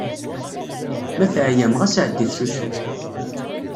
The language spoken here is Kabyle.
Ma teɛyam, ɣas ɛeddit s usu.